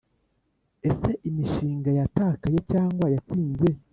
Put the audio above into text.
ese imishinga yatakaye cyangwa yatsinze,